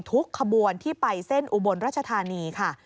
ขบวนที่ไปเส้นอุบลรัชธานีค่ะ